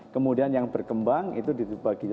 kemudian yang berkembang itu dibagi